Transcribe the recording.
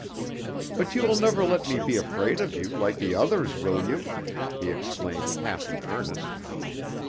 "But you will never let me be afraid of you, like the others, will you?" he exclaimed half in earnest.